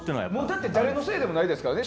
だって誰のせいでもないですからね。